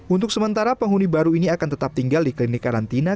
untuk sementara penghuni baru ini akan tetap tinggal di klinik karantina